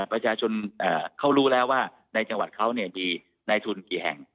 ประชาชนเขารู้แล้วว่าในจังหวัดเขามีในทุนกี่แห่ง